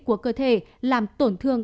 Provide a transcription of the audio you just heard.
của cơ thể làm tổn thương